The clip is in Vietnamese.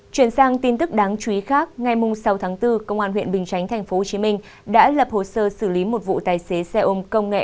chuyển sang tin tức đáng chú ý khác ngày sáu tháng bốn công an huyện bình chánh tp hcm đã lập hồ sơ xử lý một vụ tài xế xe ôm công nghệ